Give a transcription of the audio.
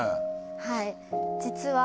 はい実は